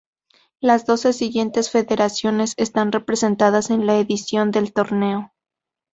Las doce siguientes federaciones están representadas en la edición del torneo.